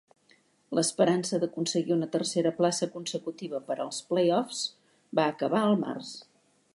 L'esperança d'aconseguir una tercera plaça consecutiva per als play-offs va acabar al març.